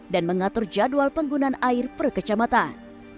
dan mengatur jadwal penggunaan air per kecamatan